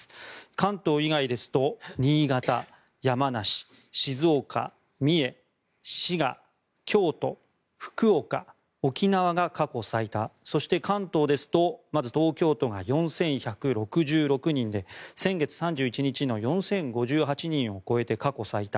関東以外ですと新潟、山梨、静岡、三重、滋賀京都、福岡、沖縄が過去最多そして、関東ですとまず東京都が４１６６人で先月３１日の４０５８人を超えて過去最多。